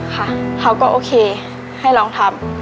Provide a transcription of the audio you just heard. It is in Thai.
ค่ะเขาก็โอเคให้ลองทำ